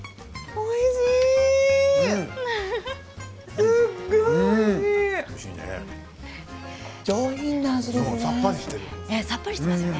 おいしいね。